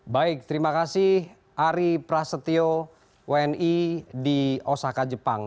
baik terima kasih ari prasetyo wni di osaka jepang